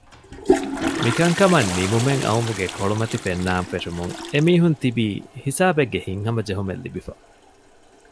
މިކަންކަމަށް ނިމުމެއް އައުމުގެ ކޮޅުމަތި ފެންނާން ފެށުމުން އެމީހުން ތިބީ ހިސާބެއްގެ ހިތްހަމަ ޖެހުމެއް ލިބިފަ